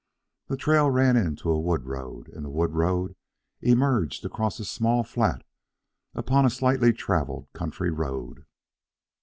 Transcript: The trail ran into a wood road, and the wood road emerged across a small flat upon a slightly travelled county road.